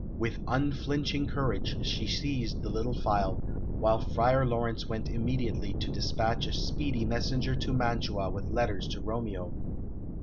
With unflinching courage she seized the little phial, while Friar Laurence went immediately to despatch a speedy messenger to Mantua with letters to Romeo.